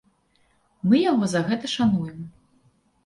Мы яго за гэта шануем.